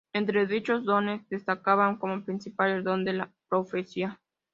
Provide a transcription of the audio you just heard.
Entre dichos dones, destacan como principal el don de la profecía.